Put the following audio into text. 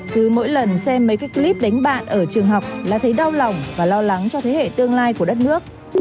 cứ mỗi lần xem mấy cái clip đánh bạn ở trường học là thấy đau lòng và lo lắng cho thế hệ tương lai của đất nước